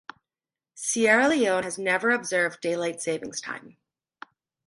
Sierra Leone has never observed daylight saving time.